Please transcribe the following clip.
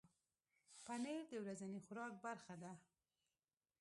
پنېر د ورځني خوراک برخه ده.